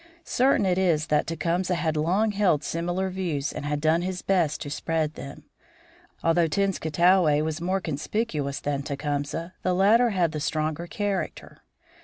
Certain it is that Tecumseh had long held similar views and had done his best to spread them. Although Tenskwatawa was more conspicuous than Tecumseh, the latter had the stronger character.